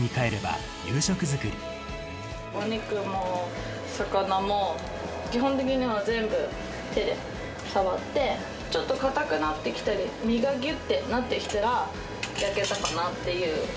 お肉も魚も、基本的には全部手で触って、ちょっと硬くなってきたり、身がぎゅってなってきたら焼けたかなっていう。